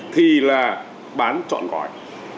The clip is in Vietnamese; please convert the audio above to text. thì là bán trọn gọi